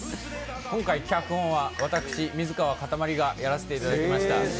今回、脚本は私、水川かたまりがやらせていただきました。